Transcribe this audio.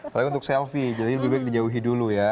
apalagi untuk selfie jadi lebih baik dijauhi dulu ya